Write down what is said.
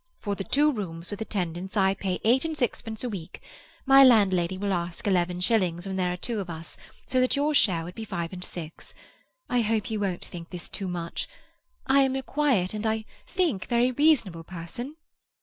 For the two rooms, with attendance, I pay eight and sixpence a week; my landlady will ask eleven shillings when there are two of us, so that your share would be five and six. I hope you won't think this is too much. I am a quiet and I think a very reasonable person."